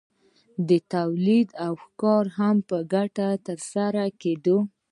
تولید او ښکار هم په ګډه ترسره کیده.